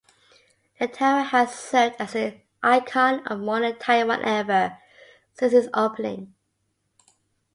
The tower has served as an icon of modern Taiwan ever since its opening.